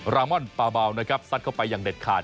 รามอนปาเบานะครับซัดเข้าไปอย่างเด็ดขาด